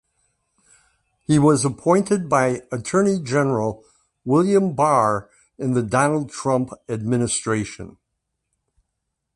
He was appointed by Attorney General William Barr in the Donald Trump administration.